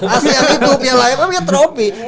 asean itu piala ff ya trophy